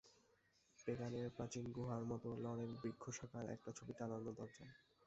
পেগানের প্রাচীন গুহার মতো লরেল বৃক্ষ শাখার একটা ছবি টানানো দরজায়।